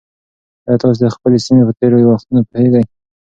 ایا تاسي د خپلې سیمې په تېرو وختونو پوهېږئ؟